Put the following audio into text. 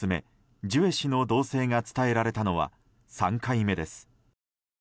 ジュエ氏の動静が伝えられたのは３回目です。